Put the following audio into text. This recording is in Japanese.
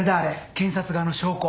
検察側の証拠。